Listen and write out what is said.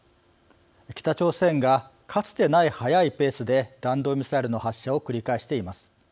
北朝鮮がかつてない、はやいペースで弾道ミサイルの発射を繰り返しています。